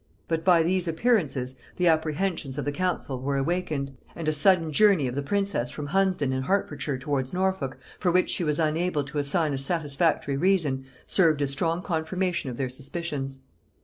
But by these appearances the apprehensions of the council were awakened, and a sudden journey of the princess from Hunsdon in Hertfordshire towards Norfolk, for which she was unable to assign a satisfactory reason, served as strong confirmation of their suspicions.